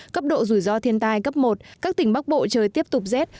cấp độ rủi ro thiên tai cấp một các tỉnh bắc bộ trời tiếp tục rét